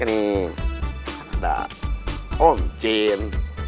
ini ada om jin